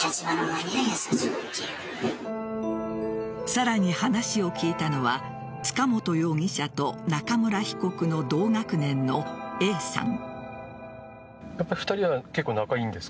さらに話を聞いたのは塚本容疑者と中村被告の同学年のＡさん。